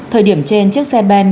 thời điểm trên chiếc xe ben